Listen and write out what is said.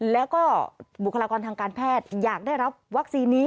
แล้วก็บุคลากรทางการแพทย์อยากได้รับวัคซีนนี้